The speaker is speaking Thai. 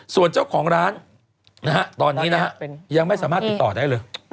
ส่วนเจ้าของร้านนะฮะตอนนี้นะฮะยังไม่สามารถติดต่อได้เลย